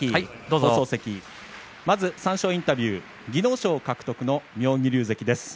まず三賞インタビュー技能賞獲得の妙義龍関です。